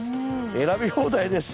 選び放題です